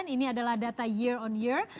ini adalah data year on year